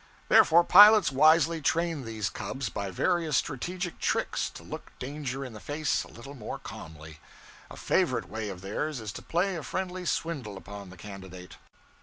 Therefore pilots wisely train these cubs by various strategic tricks to look danger in the face a little more calmly. A favorite way of theirs is to play a friendly swindle upon the candidate.